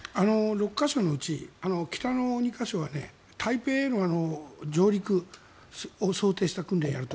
６か所のうち北の２か所は台北への上陸を想定した訓練をやる。